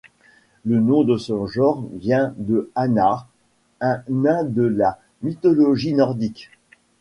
Le nom de ce genre vient de Anar, un nain de la mythologie nordique.